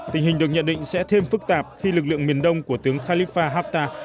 tình hình được nhận định sẽ thêm phức tạp khi lực lượng miền đông của tướng khalifa haftta